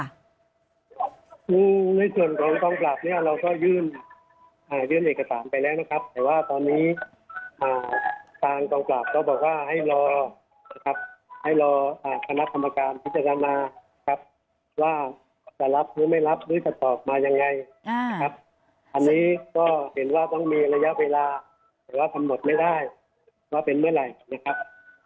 ซึ่งในส่วนของกองปราบเนี่ยเราก็ยื่นยื่นเอกสารไปแล้วนะครับแต่ว่าตอนนี้ทางกองปราบก็บอกว่าให้รอนะครับให้รอคณะกรรมการพิจารณาครับว่าจะรับหรือไม่รับหรือจะตอบมายังไงนะครับอันนี้ก็เห็นว่าต้องมีระยะเวลาแต่ว่ากำหนดไม่ได้ว่าเป็นเมื่อไหร่นะครับ